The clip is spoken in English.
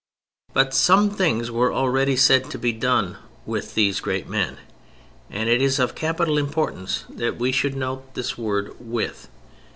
But some things were already said to be done "with" these great men: and it is of capital importance that we should note this word "with."